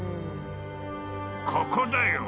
ここだよ。